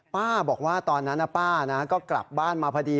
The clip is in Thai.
ป้าบอกว่าตอนนั้นป้าก็กลับบ้านมาพอดี